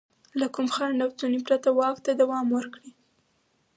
له کوم خنډ او ستونزې پرته واک ته دوام ورکړي.